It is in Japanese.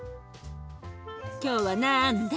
今日は何だ？